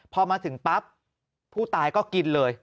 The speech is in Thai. พอมาถึงปั๊บผู้ตายก็กินเลย